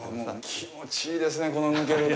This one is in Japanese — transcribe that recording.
気持ちいいですね、この抜ける風が。